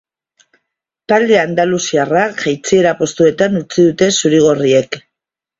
Talde andaluziarra jaitsiera postuetan utzi dute zuri-gorriek.